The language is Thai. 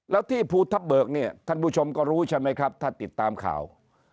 แล้วที่ภูทับเบิกเนี่ยท่านผู้ชมก็รู้ใช่ไหมครับถ้าติดตามข่าว